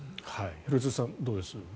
廣津留さん、どうです？